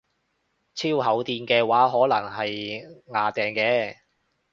超厚墊嘅話可能係掗掟嘅